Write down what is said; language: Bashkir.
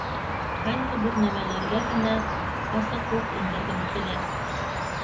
Ҡайһы бер нәмәләргә генә асыҡлыҡ индергем килә.